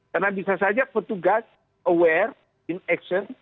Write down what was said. karena bisa saja petugas aware in action